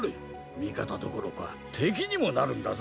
みかたどころかてきにもなるんだぞ！